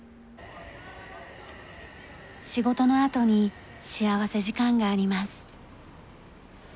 仕事のあとに幸福時間があります。